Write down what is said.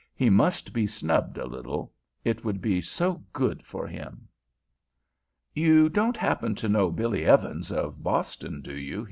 He must be snubbed a little. It would be so good for him. "You don't happen to know Billy Evans, of Boston, do you?"